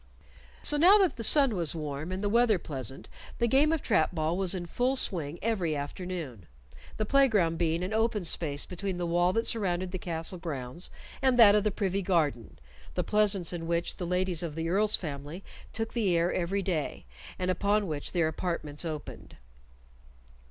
So now that the sun was warm and the weather pleasant the game of trap ball was in full swing every afternoon, the play ground being an open space between the wall that surrounded the castle grounds and that of the privy garden the pleasance in which the ladies of the Earl's family took the air every day, and upon which their apartments opened.